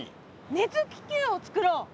熱気球をつくろう。